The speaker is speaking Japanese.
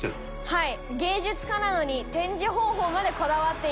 はい。